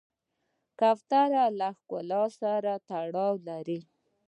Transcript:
کوتره له ښکلا سره تړاو لري.